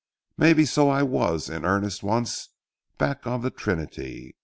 Maybe so I was in earnest once, back on the Trinity.